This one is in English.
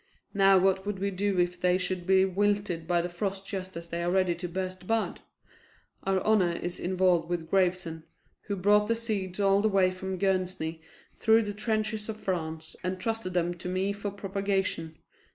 Now what would we do if they should be wilted by the frost just as they are ready to burst bud? Our honor is involved with Graveson, who brought the seeds all the way from Guernsey through the trenches of France and trusted them to me for propagation.